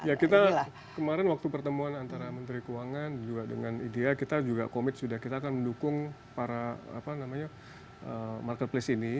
ya kita kemarin waktu pertemuan antara menteri keuangan juga dengan idea kita juga komit sudah kita akan mendukung para marketplace ini